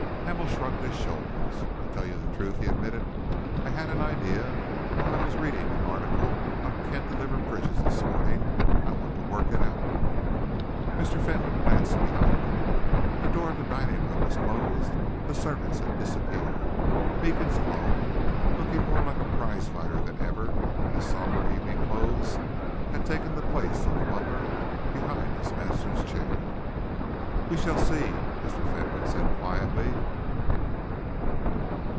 Hamel shrugged his shoulders. "To tell you the truth," he admitted, "I had an idea while I was reading an article on cantilever bridges this morning. I want to work it out." Mr. Fentolin glanced behind him. The door of the dining room was closed. The servants had disappeared. Meekins alone, looking more like a prize fighter than ever in his somber evening clothes, had taken the place of the butler behind his master's chair. "We shall see," Mr. Fentolin said quietly.